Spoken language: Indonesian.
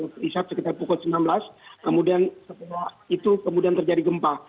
terisak sekitar pukul sembilan belas kemudian setelah itu kemudian terjadi gempa